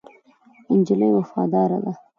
نجلۍ وفاداره ده.